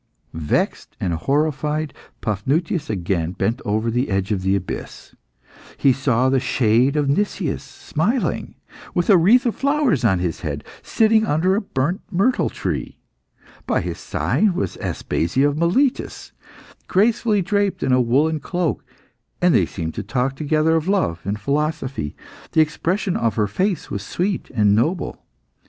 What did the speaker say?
Vexed and horrified, Paphnutius again bent over the edge of the abyss. He saw the shade of Nicias smiling, with a wreath of flowers on his head, sitting under a burnt myrtle tree. By his side was Aspasia of Miletus, gracefully draped in a woollen cloak, and they seemed to talk together of love and philosophy; the expression of her face was sweet and noble.